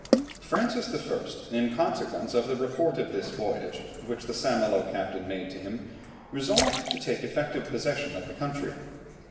Francis I., in consequence of the report of this voyage which the St. Malo captain made to him, resolved to take effective possession of the country.